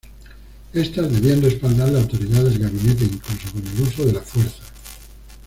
Estas debían respaldar la autoridad del gabinete, incluso con el uso de la fuerza.